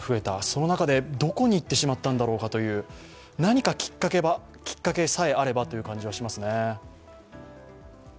その中でどこに行ってしまったんだろうかという、何かきっかけさえあればという感じはしますね。